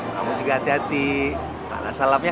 kamu juga hati hati ada salam ya